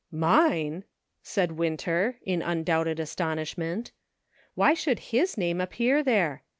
"Mine!" said Winter, in undoubted astonish ment. Why should his name appear there